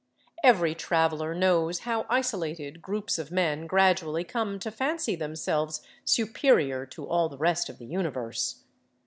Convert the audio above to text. Every traveler knows how isolated groups of men gradually come to fancy themselves superior to all the rest of the universe.